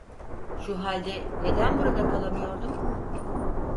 Şu halde neden burada kalamıyordum?